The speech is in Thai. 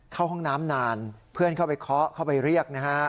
เข้าห้องน้ำนานเพื่อนเข้าไปเคาะเข้าไปเรียกนะฮะ